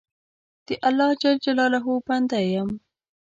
د الله جل جلاله بنده یم.